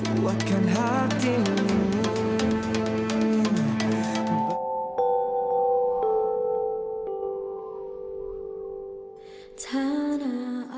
buatkan hati menunggu